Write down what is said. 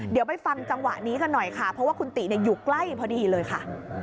เดี๋ยวไปฟังจังหวะนี้กันหน่อยค่ะเพราะว่าคุณติอยู่ใกล้พอดีเลยค่ะ